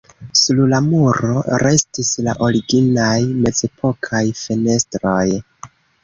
Sur la muro restis la originaj mezepokaj fenestroj.